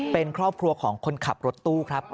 เป็นครอบครัวของคนขับรถตู้ครับ